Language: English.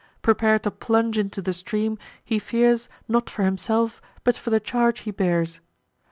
Prepar'd to plunge into the stream, he fears, Not for himself, but for the charge he bears.